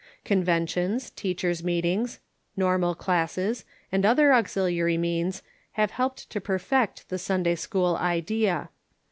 Conventions, teachers' meetings, normal classes, and other auxiliary means have helped to per fect the Sunday school idea.